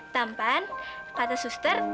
tampan kata suster